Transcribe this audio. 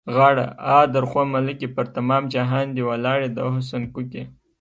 غاړه؛ آ، درخو ملکې! پر تمام جهان دې ولاړې د حُسن کوکې.